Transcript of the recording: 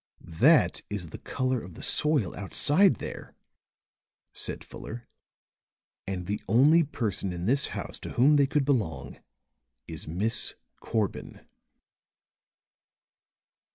"That is the color of the soil outside there," said Fuller, "and the only person in this house to whom they could belong is Miss Corbin."